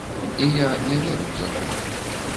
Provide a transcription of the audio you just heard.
І я не веру у закон.